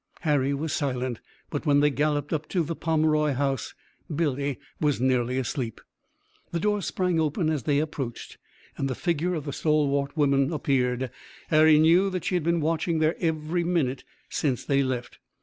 Harry was silent, but when they galloped up to the Pomeroy house, Billy was nearly asleep. The door sprang open as they approached, and the figure of the stalwart woman appeared. Harry knew that she had been watching there every minute since they left.